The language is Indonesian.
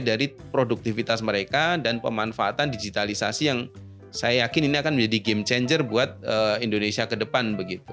dari produktivitas mereka dan pemanfaatan digitalisasi yang saya yakin ini akan menjadi game changer buat indonesia ke depan